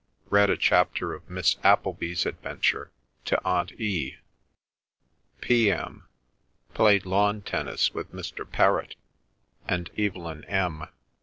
Read a chapter of Miss Appleby's Adventure to Aunt E. P.M.—Played lawn tennis with Mr. Perrott and Evelyn M.